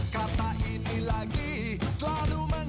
kata ini lagi selalu